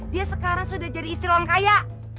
dia sekarang sudah jadi istri orang kaya